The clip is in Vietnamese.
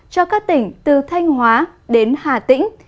cho các tỉnh từ thanh hóa đến hà tĩnh